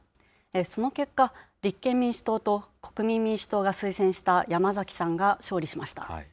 その結果、立憲民主党と国民民主党が推薦した山崎さんが勝利しました。